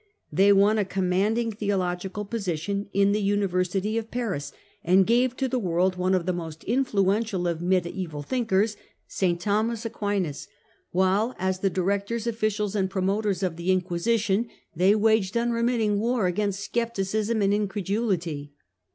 They won a commanding theological position in the University of Paris, and gave to the world one of the most influential of mediaeval thinkers, St Thomas Aquinas, while as the directors, officials and promoters of the Inquisition they waged unremitting war against scepticism and incredulity.